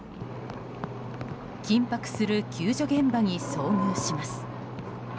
緊迫する救助現場に遭遇します。